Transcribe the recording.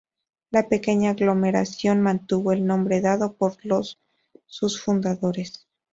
La pequeña aglomeración mantuvo el nombre dado por los sus fundadores.